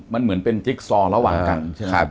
มันเหมือนเป็นจิ๊กซองระหว่างกันใช่ไหม